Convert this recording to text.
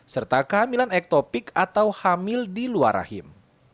serta kehamilan ektopik atau hamil di luar rahim